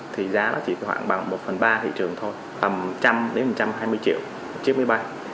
thì giá nó chỉ có khoảng bằng một phần ba thị trường thôi tầm một trăm linh đến một trăm hai mươi triệu chiếc máy bay